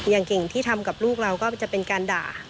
อย่างเก่งที่ทำกับลูกเราก็จะเป็นการด่า